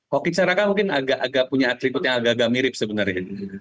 kokik seraka mungkin punya atribut yang agak agak mirip sebenarnya